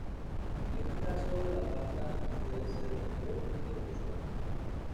En este caso la pasa suele ser mayor de lo usual.